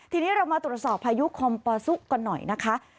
ทีนี้เรามาตรวจสอบพายุคอมปอซุกันหน่อยนะคะ